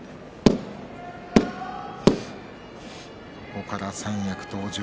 ここから三役登場。